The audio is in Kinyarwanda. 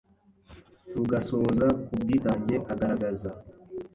Rugasoza ku bwitange agaragaza